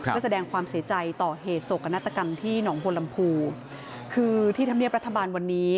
ซึ่งแสดงความเสียใจต่อเหตุโศกกันตกรรมที่น้องโวลัมพูร์คือที่ถ้าเมียประธบาลวันนี้